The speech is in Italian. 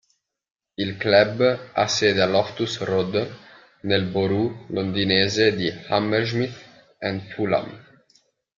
Il club ha sede a Loftus Road, nel borough londinese di Hammersmith and Fulham.